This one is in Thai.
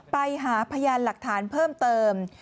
ไปหาพยานหลักฐานเพิ่มเติม